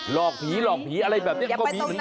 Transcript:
อกผีหลอกผีอะไรแบบนี้ก็มีเหมือนกัน